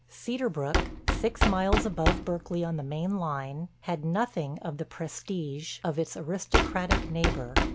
Cedar Brook, six miles above Berkeley on the main line, had none of the prestige of its aristocratic neighbor.